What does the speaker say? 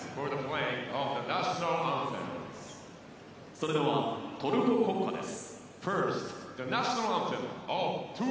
それではトルコ国歌です。